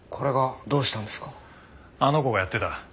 あの子がやってた。